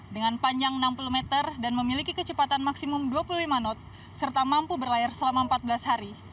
dengan panjang enam puluh meter dan memiliki kecepatan maksimum dua puluh lima knot serta mampu berlayar selama empat belas hari